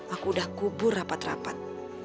aku udah kubur rapat rapat